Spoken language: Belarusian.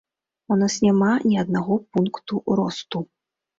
У нас няма ні аднаго пункту росту.